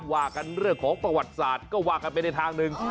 ว่ากันเรื่องของประวัติศาสตร์ก็ว่ากันไปในทางหนึ่ง